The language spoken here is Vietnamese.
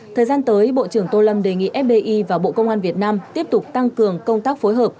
thời gian tới bộ trưởng tô lâm đề nghị fbi và bộ công an việt nam tiếp tục tăng cường công tác phối hợp